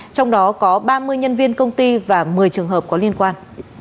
trong đó có ba mươi nhân viên công ty và một mươi trường hợp có liên quan